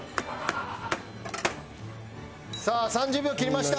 さあ３０秒切りました。